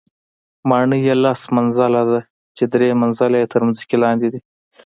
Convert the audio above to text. ماڼۍ یې لس منزله ده، چې درې منزله یې تر ځمکې لاندې دي.